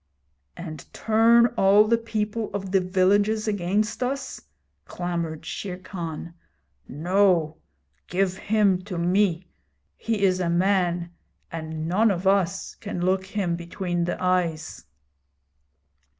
'And turn all the people of the villages against us?' clamoured Shere Khan. 'No; give him to me. He is a man, and none of us can look him between the eyes.'